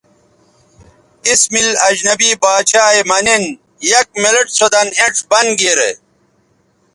اس مِل اجنبی باڇھا یے مہ نِن یک منٹ سو دَن اینڇ بند گیرے